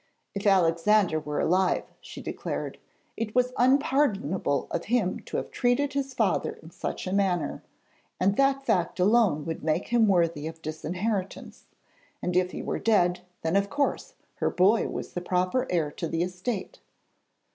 'If Alexander were alive,' she declared, 'it was unpardonable of him to have treated his father in such a manner, and that fact alone would make him worthy of disinheritance; and if he were dead, then, of course, her boy was the proper heir to the estate.'